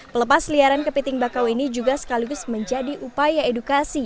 pelepas liaran kepiting bakau ini juga sekaligus menjadi upaya edukasi